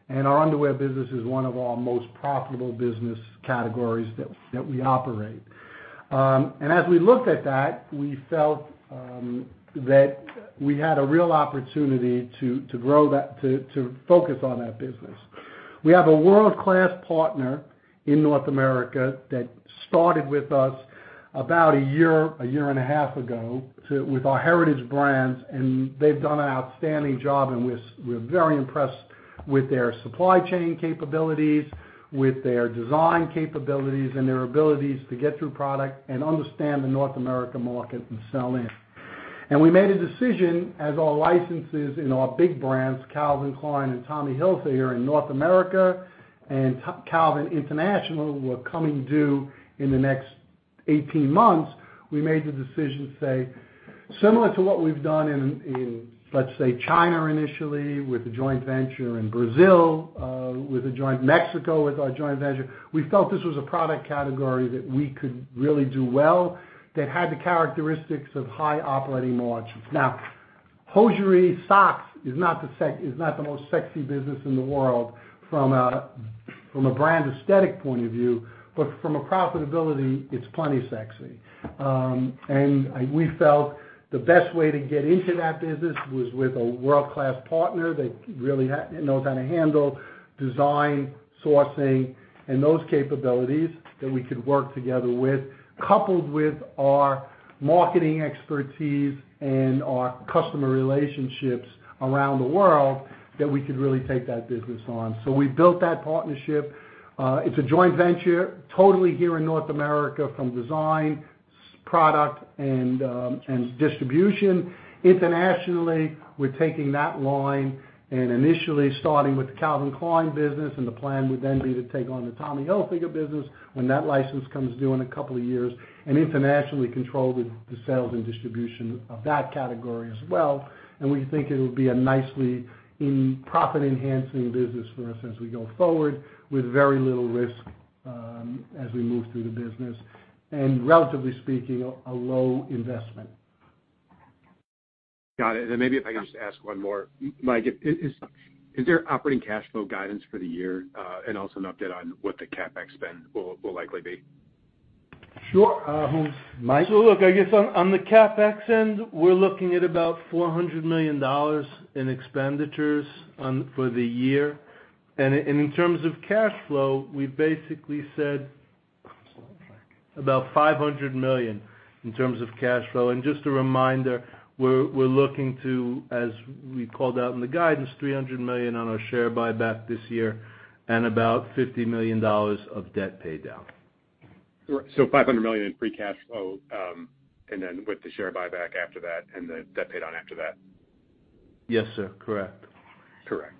Our underwear business is one of our most profitable business categories that we operate. As we looked at that, we felt that we had a real opportunity to focus on that business. We have a world-class partner in North America that started with us about a year and a half ago, with our heritage brands, and they've done an outstanding job, and we're very impressed with their supply chain capabilities, with their design capabilities, and their abilities to get through product and understand the North America market and sell in. We made a decision as our licenses in our big brands, Calvin Klein and Tommy Hilfiger in North America, and Calvin International, were coming due in the next 18 months. We made the decision to say, similar to what we've done in, let's say, China initially, with a joint venture in Brazil, Mexico with our joint venture. We felt this was a product category that we could really do well, that had the characteristics of high operating margins. Hosiery socks is not the most sexy business in the world from a brand aesthetic point of view, but from a profitability, it's plenty sexy. We felt the best way to get into that business was with a world-class partner that really knows how to handle design, sourcing, and those capabilities that we could work together with, coupled with our marketing expertise and our customer relationships around the world, that we could really take that business on. We built that partnership. It's a joint venture totally here in North America from designProduct and distribution. Internationally, we're taking that line and initially starting with the Calvin Klein business, and the plan would then be to take on the Tommy Hilfiger business when that license comes due in a couple of years, and internationally control the sales and distribution of that category as well. We think it'll be a nicely profit-enhancing business for us as we go forward, with very little risk as we move through the business, and relatively speaking, a low investment. Got it. Maybe if I can just ask one more. Mike, is there operating cash flow guidance for the year? Also an update on what the CapEx spend will likely be. Sure. Mike? Look, I guess on the CapEx end, we're looking at about $400 million in expenditures for the year. In terms of cash flow, we basically said about $500 million in terms of cash flow. Just a reminder, we're looking to, as we called out in the guidance, $300 million on our share buyback this year and about $50 million of debt paydown. $500 million in free cash flow, and then with the share buyback after that, and the debt paydown after that. Yes, sir. Correct. Correct.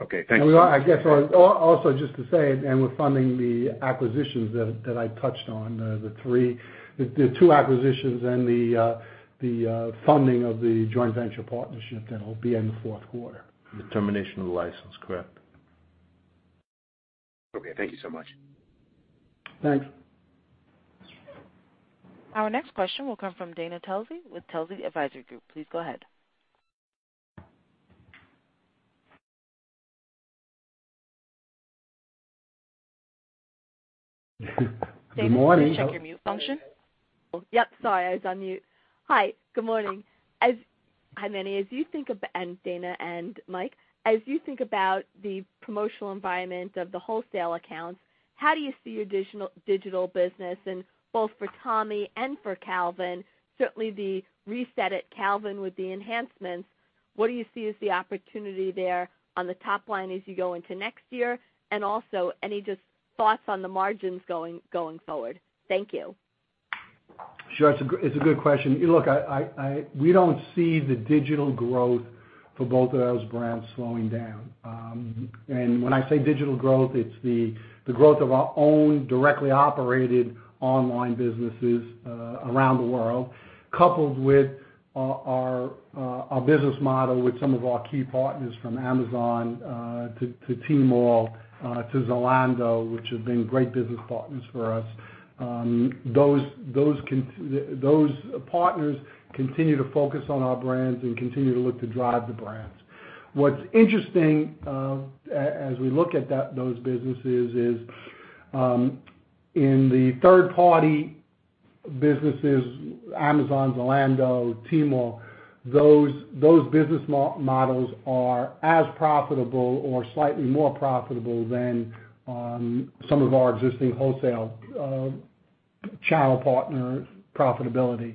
Okay. Thank you. We are, I guess also just to say, and we're funding the acquisitions that I touched on, the two acquisitions and the funding of the joint venture partnership that'll be in the fourth quarter. The termination of the license. Correct. Okay. Thank you so much. Thanks. Our next question will come from Dana Telsey with Telsey Advisory Group. Please go ahead. Good morning. Dana, check your mute function. Yep. Sorry, I was on mute. Hi. Good morning. Hi, Manny and Dana and Mike. As you think about the promotional environment of the wholesale accounts, how do you see your digital business and both for Tommy and for Calvin, certainly the reset at Calvin with the enhancements, what do you see as the opportunity there on the top line as you go into next year? Also, any just thoughts on the margins going forward? Thank you. Sure. It's a good question. Look, we don't see the digital growth for both of those brands slowing down. When I say digital growth, it's the growth of our own directly operated online businesses around the world, coupled with our business model with some of our key partners from Amazon, to Tmall, to Zalando, which have been great business partners for us. Those partners continue to focus on our brands and continue to look to drive the brands. What's interesting, as we look at those businesses, is in the third-party businesses, Amazon, Zalando, Tmall, those business models are as profitable or slightly more profitable than some of our existing wholesale channel partner profitability.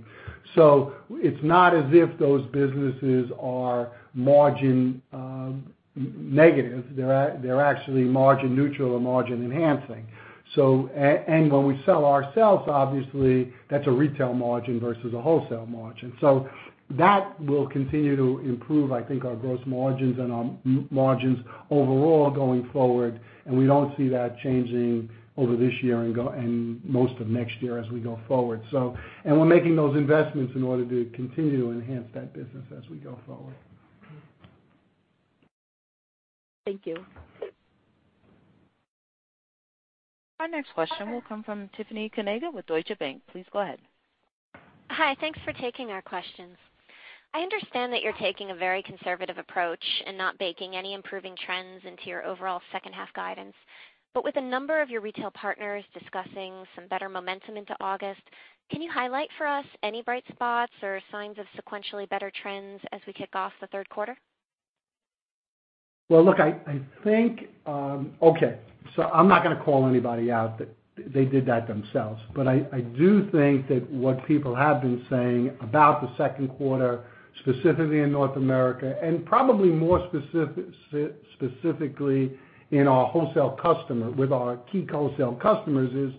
It's not as if those businesses are margin negative. They're actually margin neutral or margin enhancing. When we sell ourselves, obviously, that's a retail margin versus a wholesale margin. That will continue to improve, I think, our gross margins and our margins overall going forward, and we don't see that changing over this year and most of next year as we go forward. We're making those investments in order to continue to enhance that business as we go forward. Thank you. Our next question will come from Tiffany Kanaga with Deutsche Bank. Please go ahead. Hi. Thanks for taking our questions. I understand that you're taking a very conservative approach and not baking any improving trends into your overall second half guidance. With a number of your retail partners discussing some better momentum into August, can you highlight for us any bright spots or signs of sequentially better trends as we kick off the third quarter? Well, look, I think. Okay. I'm not gonna call anybody out, they did that themselves. I do think that what people have been saying about the second quarter, specifically in North America, and probably more specifically with our key wholesale customers, is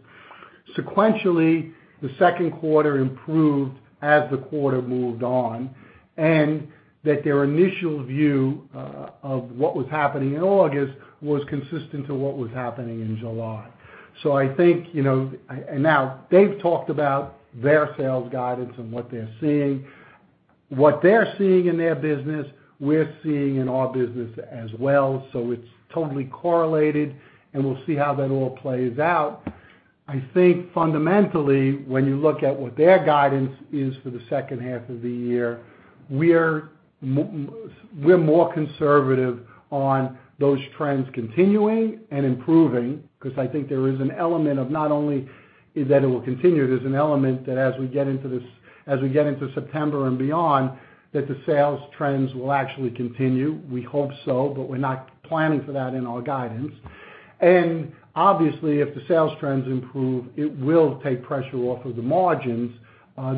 sequentially, the second quarter improved as the quarter moved on, and that their initial view of what was happening in August was consistent to what was happening in July. Now they've talked about their sales guidance and what they're seeing. What they're seeing in their business, we're seeing in our business as well. It's totally correlated, and we'll see how that all plays out. I think fundamentally, when you look at what their guidance is for the second half of the year, we're more conservative on those trends continuing and improving, because I think there is an element of not only that it will continue, there's an element that as we get into September and beyond, that the sales trends will actually continue. We hope so, but we're not planning for that in our guidance. Obviously, if the sales trends improve, it will take pressure off of the margins,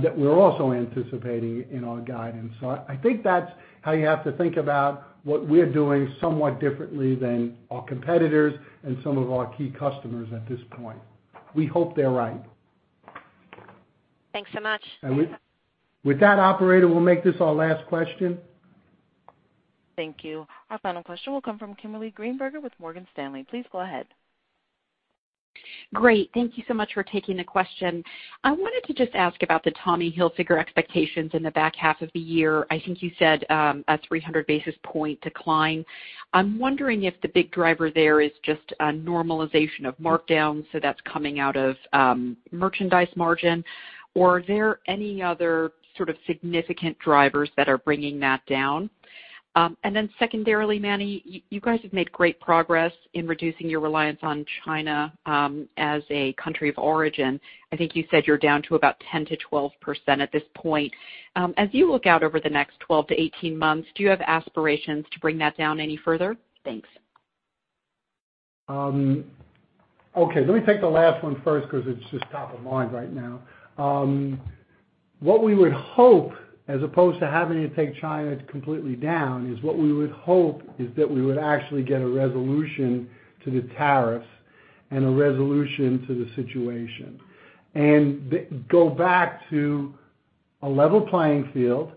that we're also anticipating in our guidance. I think that's how you have to think about what we're doing somewhat differently than our competitors and some of our key customers at this point. We hope they're right. Thanks so much. With that, operator, we'll make this our last question. Thank you. Our final question will come from Kimberly Greenberger with Morgan Stanley. Please go ahead. Great. Thank you so much for taking the question. I wanted to just ask about the Tommy Hilfiger expectations in the back half of the year. I think you said, a 300 basis point decline. I'm wondering if the big driver there is just a normalization of markdowns, so that's coming out of merchandise margin, or are there any other sort of significant drivers that are bringing that down? Secondarily, Manny, you guys have made great progress in reducing your reliance on China as a country of origin. I think you said you're down to about 10%-12% at this point. As you look out over the next 12-18 months, do you have aspirations to bring that down any further? Thanks. Okay. Let me take the last one first because it's just top of mind right now. What we would hope, as opposed to having to take China completely down, is what we would hope is that we would actually get a resolution to the tariffs and a resolution to the situation, and go back to a level playing field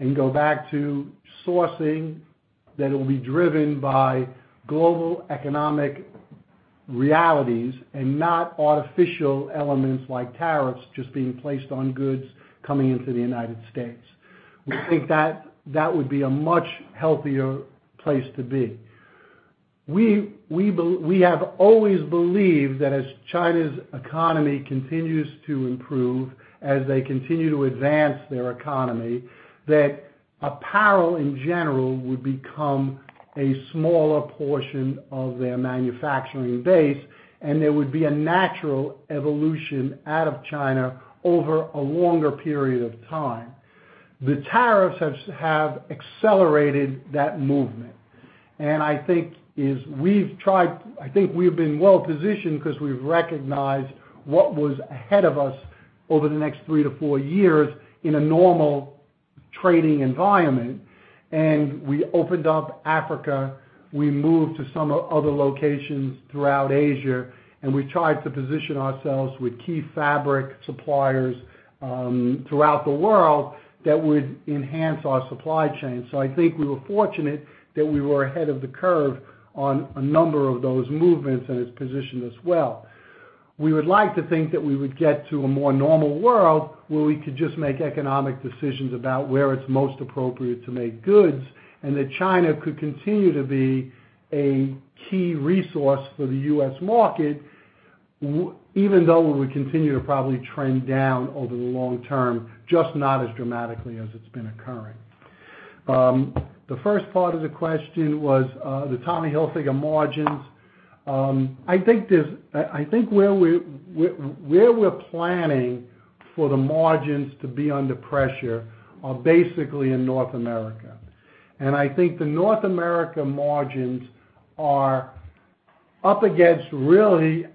and go back to sourcing that will be driven by global economic realities and not artificial elements like tariffs just being placed on goods coming into the United States. We think that would be a much healthier place to be. We have always believed that as China's economy continues to improve, as they continue to advance their economy, that apparel, in general, would become a smaller portion of their manufacturing base, and there would be a natural evolution out of China over a longer period of time. The tariffs have accelerated that movement. I think we've been well-positioned because we've recognized what was ahead of us over the next three to four years in a normal trading environment. We opened up Africa, we moved to some other locations throughout Asia, and we tried to position ourselves with key fabric suppliers throughout the world that would enhance our supply chain. I think we were fortunate that we were ahead of the curve on a number of those movements and it's positioned us well. We would like to think that we would get to a more normal world where we could just make economic decisions about where it's most appropriate to make goods, and that China could continue to be a key resource for the U.S. market, even though we would continue to probably trend down over the long term, just not as dramatically as it's been occurring. The first part of the question was the Tommy Hilfiger margins. I think where we're planning for the margins to be under pressure are basically in North America. I think the North America margins are up against really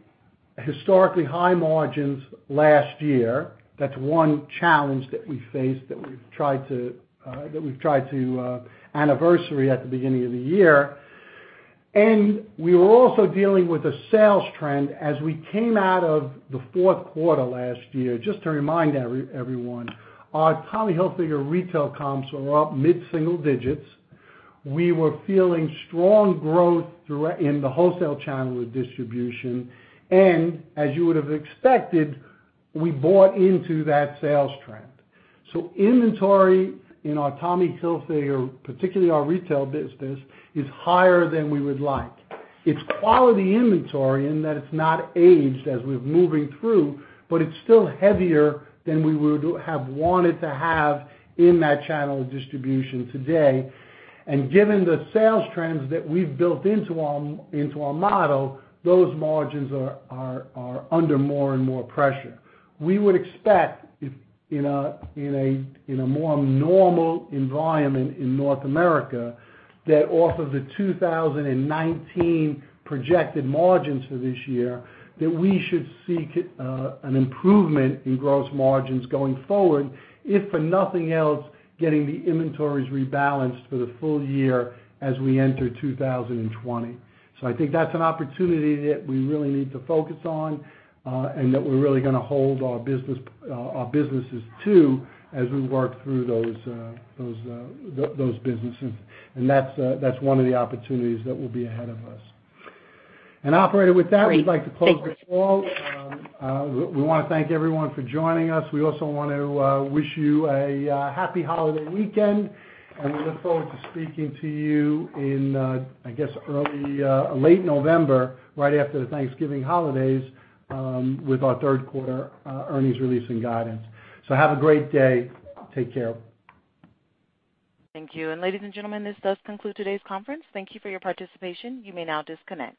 historically high margins last year. That's one challenge that we face that we've tried to anniversary at the beginning of the year. We were also dealing with a sales trend as we came out of the fourth quarter last year. Just to remind everyone, our Tommy Hilfiger retail comps were up mid-single digits. We were feeling strong growth in the wholesale channel with distribution. As you would have expected, we bought into that sales trend. Inventory in our Tommy Hilfiger, particularly our retail business, is higher than we would like. It's quality inventory in that it's not aged as we're moving through, but it's still heavier than we would have wanted to have in that channel of distribution today. Given the sales trends that we've built into our model, those margins are under more and more pressure. We would expect, in a more normal environment in North America, that off of the 2019 projected margins for this year, that we should see an improvement in gross margins going forward, if for nothing else, getting the inventories rebalanced for the full year as we enter 2020. I think that's an opportunity that we really need to focus on, and that we're really going to hold our businesses to as we work through those businesses. That's one of the opportunities that will be ahead of us. Operator, with that, we'd like to close this call. We want to thank everyone for joining us. We also want to wish you a happy holiday weekend, and we look forward to speaking to you in, I guess, late November, right after the Thanksgiving holidays, with our third quarter earnings release and guidance. Have a great day. Take care. Thank you. Ladies and gentlemen, this does conclude today's conference. Thank you for your participation. You may now disconnect.